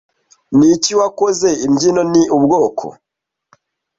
niki wakoze Imbyino ni ubwoko